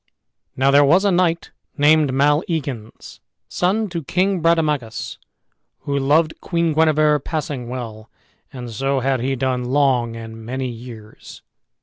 Now there was a knight named Maleagans, son to King Brademagus, who loved Queen Guenever passing well, and so had he done long and many years.